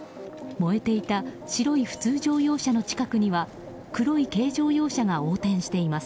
燃えていた白い普通乗用車の近くには黒い軽乗用車が横転しています。